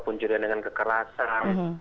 pencurian dengan kekerasan